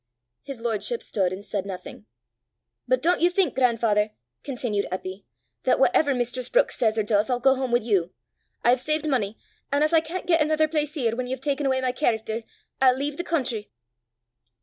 His lordship stood and said nothing. "But don't you think, grandfather," continued Eppy, "that whatever mistress Brookes says or does, I'll go home with you! I've saved money, and, as I can't get another place here when you've taken away my character, I'll leave the country."